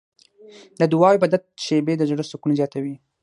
د دعا او عبادت شېبې د زړه سکون زیاتوي.